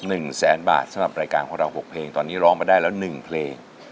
หนึ่งแสนบาทสำหรับรายการของเราหกเพลงตอนนี้ร้องมาได้แล้วหนึ่งเพลง